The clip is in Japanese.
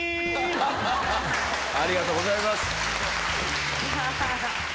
ありがとうございます。